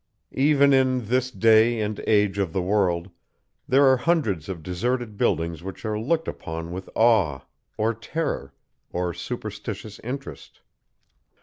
Even in "this day and age of the world" there are hundreds of deserted buildings which are looked upon with awe, or terror, or superstitious interest.